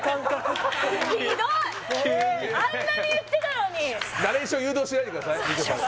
ねえあんなに言ってたのにナレーション誘導しないでください